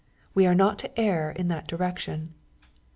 We are not to err in that direction.